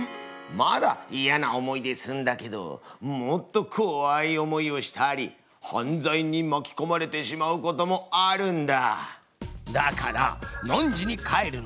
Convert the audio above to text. まだいやな思いですんだけどもっとこわい思いをしたり犯罪にまきこまれてしまうこともあるんだ。